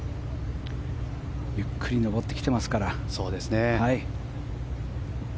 ゆっくり上ってきていますから。